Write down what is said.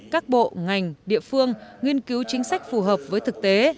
các bộ ngành địa phương nghiên cứu chính sách phù hợp với thực tế